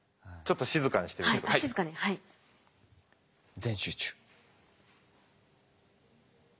全集中。